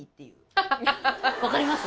分かります？